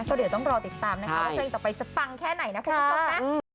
ก็เดี๋ยวต้องรอติดตามนะคะเพลงต่อไปจะฟังแค่ไหนนะครับ